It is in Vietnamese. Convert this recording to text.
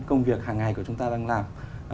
công việc hàng ngày của chúng ta đang làm